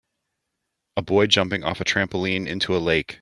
A boy jumping off a trampoline into a lake.